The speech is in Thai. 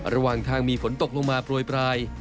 ระหว่างทางมีฝนตกลงมาโปรยปลาย